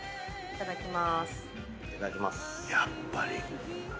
いただきます。